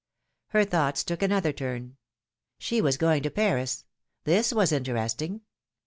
Her thoughts took another turn. She was going to Paris: this was interesting.